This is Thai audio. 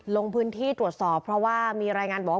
ลงพื้นที่ตรวจสอบเพราะว่ามีรายงานบอกว่า